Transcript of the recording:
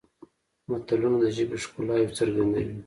متلونه د ژبې ښکلاوې څرګندوي